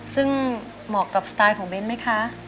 ซึ่งเหมาะกับสไตล์ของเบ้นไหมคะ